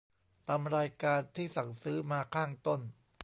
ตามรายการที่สั่งซื้อมาข้างต้น